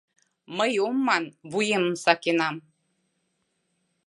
Мый ом ман: вуемым сакенам.